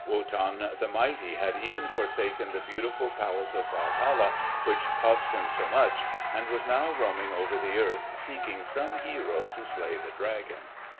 Wotan the mighty had even forsaken the beautiful palace of Walhalla which cost him so much, and was now roaming over the earth seeking some hero to slay the dragon.